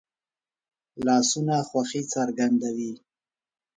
لاسونه خوښي څرګندوي